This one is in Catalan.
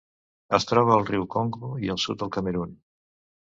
Es troba al riu Congo i al sud del Camerun.